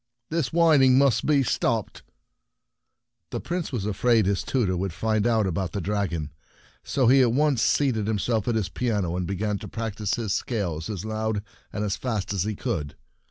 "This whining must be stopped !" The Prince was afraid his tutor would find out about the dragon, and so he at once seated himself at his piano, and began to practice his scales as loud and as fast as he could.